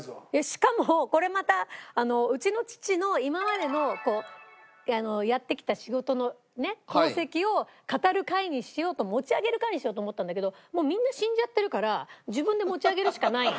しかもこれまたうちの父の今までのやってきた仕事の功績を語る会にしようと持ち上げる会にしようと思ったんだけどもうみんな死んじゃってるから自分で持ち上げるしかない。